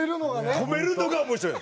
止めるのが面白いの。